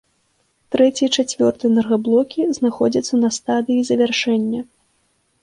Трэці і чацвёрты энергаблокі знаходзяцца на стадыі завяршэння.